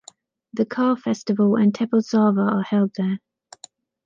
The car festival and 'Teppotsava' are held there.